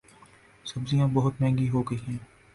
سبزیاں بہت مہنگی ہوگئی ہیں